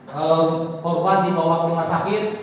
korban dibawa ke rumah sakit